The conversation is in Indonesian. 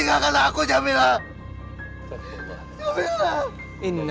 masa kalah padanya nenek nih